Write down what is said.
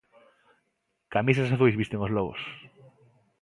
Camisas azuis visten os lobos.